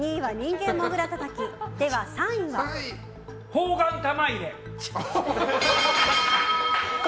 砲丸玉入れ。